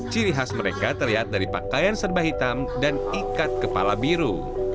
ciri khas mereka terlihat dari pakaian serba hitam dan ikat kepala biru